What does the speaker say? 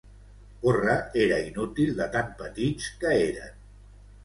Córrer era inútil de tan petits que eren.